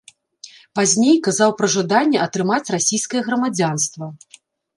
Пазней казаў пра жаданне атрымаць расійскае грамадзянства.